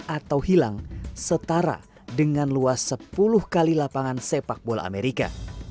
atau hilang setara dengan luas sepuluh kali lapangan sepak bola amerika